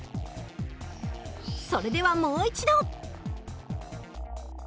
それではもう一度。